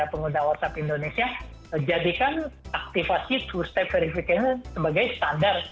yang menganggap whatsapp indonesia jadikan aktifasi two step verification sebagai standar